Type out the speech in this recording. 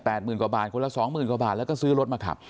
หมื่นกว่าบาทคนละสองหมื่นกว่าบาทแล้วก็ซื้อรถมาขับ